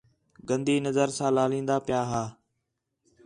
گندی نظر ساں لالین٘دا پِیا ہا